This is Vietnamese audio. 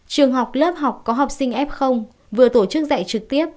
trường học lớp học có học sinh f vừa tổ chức dạy trực tiếp